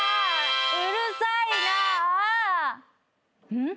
うん？